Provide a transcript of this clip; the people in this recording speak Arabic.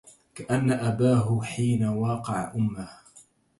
كأن أباه حين واقع أمه